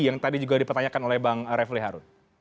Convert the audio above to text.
yang tadi juga dipertanyakan oleh bang refli harun